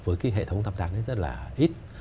với cái hệ thống thăm tăng rất là ít